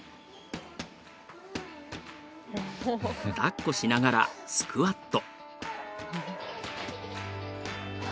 だっこしながらスクワット。